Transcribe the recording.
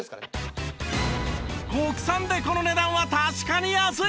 国産でこの値段は確かに安い！